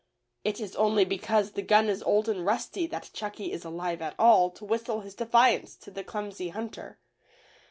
It is only because the gun is old and rusty that Chucky is alive at all to whistle his defiance to the clumsy hunter.